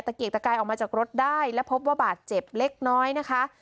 เกียกตะกายออกมาจากรถได้และพบว่าบาดเจ็บเล็กน้อยนะคะ